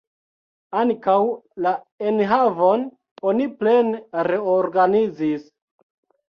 Ankaŭ la enhavon oni plene reorganizis.